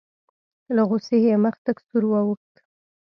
له غوسې یې مخ تک سور واوښت.